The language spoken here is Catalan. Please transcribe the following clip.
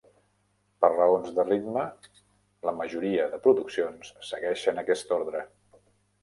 Per raons de ritme, la majoria de produccions segueixen aquest ordre.